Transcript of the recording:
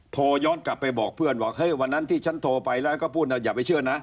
โทรย้อนกลับไปบอกเพื่อนว่าเฮ้ยวันนั้นที่ฉันโทรไปแล้วก็พูดอย่าไปเชื่อนะ